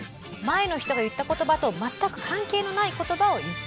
前の人が言った言葉と全く関係のない言葉を言って下さい。